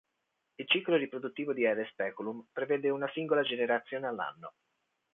Il ciclo riproduttivo di "R. speculum" prevede una singola generazione all'anno.